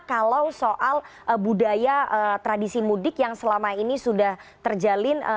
kalau soal budaya tradisi mudik yang selama ini sudah terjalin